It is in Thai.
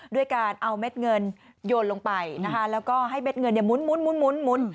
ด้วยการเอาเม็ดเงินโยนลงไปนะคะแล้วก็ให้เม็ดเงินเนี่ยหมุน